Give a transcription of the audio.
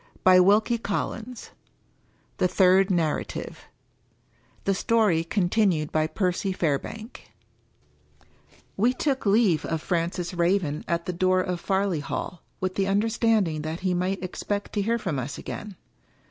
254 Wilkie Collins THE THIRD NARRATIVE THE STORY CONTINUED BY PERCY FAIRBANK XIV We took leave of Francis Raven at the door of Farleigh Hall, with the understanding that he might expect to hear from us again.